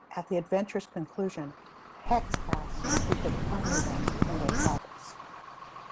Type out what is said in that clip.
At the adventure's conclusion, Hex asked if he could accompany them in their travels.